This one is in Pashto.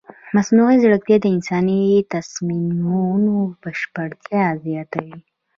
مصنوعي ځیرکتیا د انساني تصمیمونو بشپړتیا زیاتوي.